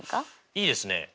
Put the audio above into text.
いいですねえ